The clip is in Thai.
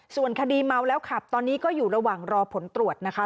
ส่วนคดีเมาแล้วขับตอนนี้ก็อยู่ระหว่างรอผลตรวจนะคะ